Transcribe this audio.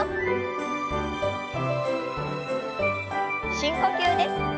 深呼吸です。